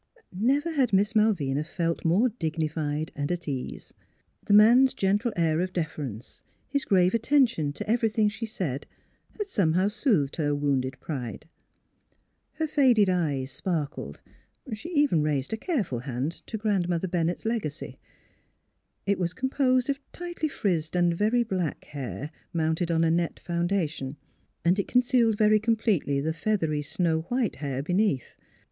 Never had Miss Malvina felt more dignified and at ease. The man's gentle air of deference, his grave attention to everything she said had somehow soothed her wounded pride. Her faded eyes sparkled; she even raised a careful hand to Grandmother Bennett's legacy. It was composed of tightly frizzed and very black hair mounted on a net foundation, and it concealed very completely the feathery snow white hair beneath.